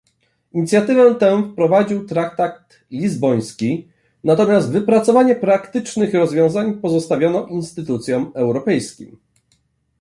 Inicjatywę tę wprowadził traktat lizboński, natomiast wypracowanie praktycznych rozwiązań pozostawiono instytucjom europejskim